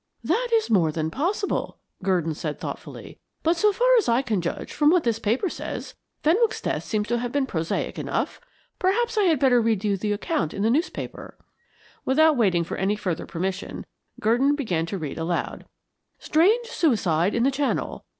"That is more than possible," Gurdon said, thoughtfully; "but so far as I can judge from what this paper says, Fenwick's death seems to have been prosaic enough. Perhaps I had better read you the account in the newspaper." Without waiting for any further permission, Gurdon began to read aloud: "STRANGE SUICIDE IN THE CHANNEL.